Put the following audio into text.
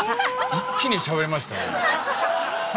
一気にしゃべりましたね。